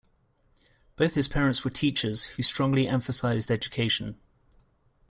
Both his parents were teachers; who strongly emphasised education.